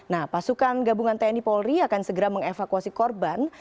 nah pasukan gabungan tni polri akan segera mengevakuasi korban